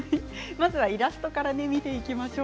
まずはイラストから見ていきます。